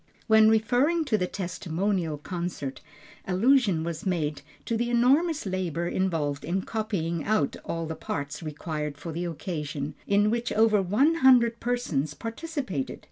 When referring to the testimonial concert, allusion was made to the enormous labor involved in copying out all the parts required for the occasion, in which over one hundred persons participated.